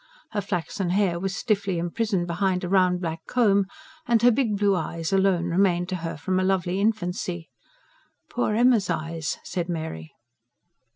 Her flaxen hair was stiffly imprisoned behind a round black comb; and her big blue eyes alone remained to her from a lovely infancy. ("Poor Emma's eyes," said Mary.)